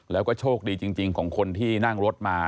แล้วก็โชคดีจริงของคนที่นั่งรถมา